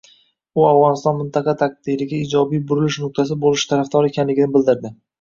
U Afg‘oniston mintaqa taqdirida ijobiy burilish nuqtasi bo‘lishi tarafdori ekanligini bildirdi